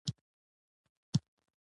ما په دې رنگ د هېچا سترګې نه وې ليدلې.